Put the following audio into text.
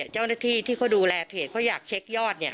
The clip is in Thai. เจ้าหน้าที่ที่เขาดูแลเพจเขาอยากเช็คยอดเนี่ย